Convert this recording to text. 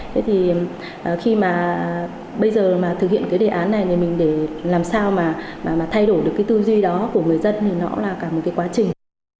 thế thì khi mà bây giờ mà thực hiện cái đề án này thì mình để làm sao mà thay đổi được cái tư duy đó của người dân thì nó là cả một cái quá trình